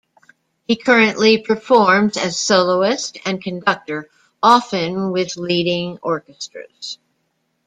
He currently performs as soloist and conductor, often with leading orchestras.